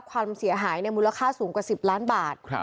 ความเสียหายมูลค่าสูงกว่า๑๐ล้านบาท